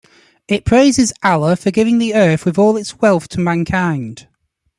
It praises Allah for giving the Earth with all its wealth to mankind.